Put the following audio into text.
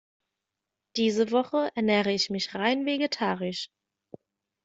Diese Woche ernähre ich mich rein vegetarisch.